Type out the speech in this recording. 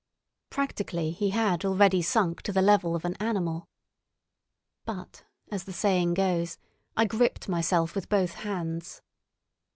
Practically he had already sunk to the level of an animal. But as the saying goes, I gripped myself with both hands.